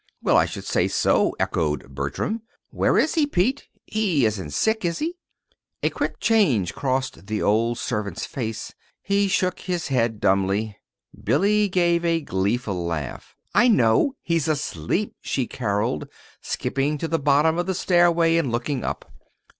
"Well, I should say so," echoed Bertram. "Where is he, Pete? He isn't sick, is he?" A quick change crossed the old servant's face. He shook his head dumbly. Billy gave a gleeful laugh. "I know he's asleep!" she caroled, skipping to the bottom of the stairway and looking up.